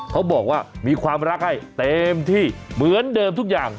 เขาบอกว่ามีความรักให้เต็มที่เหมือนเดิมทุกอย่าง